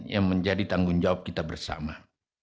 yang menjadi tanggung jawab kita bersama